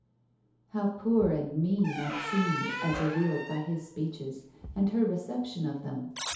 . How poor and mean that seemed as revealed by his speeches, and her reception of them